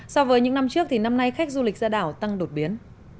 so với những năm trước thì năm nay khách du lịch ra đảo tăng đột biến